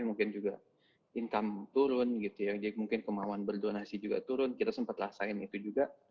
mungkin juga income turun mungkin kemauan berdonasi juga turun kita sempat rasain itu juga